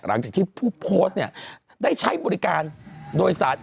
หลังจากที่ผู้โพสต์เนี่ยได้ใช้บริการโดยสาร